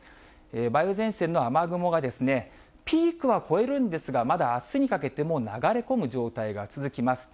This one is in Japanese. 梅雨前線の雨雲が、ピークは越えるんですが、まだあすにかけても流れ込む状態が続きます。